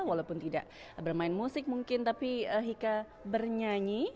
walaupun tidak bermain musik mungkin tapi hika bernyanyi